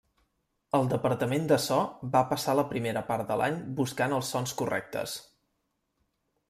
El departament de So va passar la primera part de l'any buscant els sons correctes.